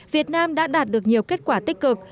việt nam đã đạt được nhiều kết quả tích cực